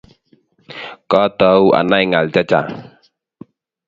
Katau anai ng'al chechang'